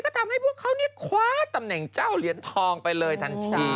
ทำให้พวกเขาคว้าตำแหน่งเจ้าเหรียญทองไปเลยทันที